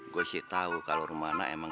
gue sih tahu kalau rumahnya emang